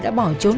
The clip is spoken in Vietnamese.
đã bỏ trốn